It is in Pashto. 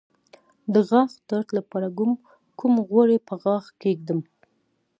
د غاښ درد لپاره کوم غوړي په غاښ کیږدم؟